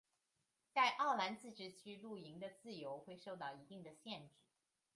在奥兰自治区露营的自由会受到一定的限制。